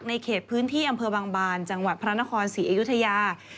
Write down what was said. เขตพื้นที่อำเภอบางบานจังหวัดพระนครศรีอยุธยา